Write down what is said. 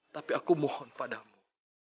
tapi aku mohon padamu